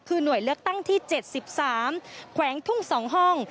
คือหน่วยเลือกตั้งที่๗๓แขวงทุ่ง๒ห้อง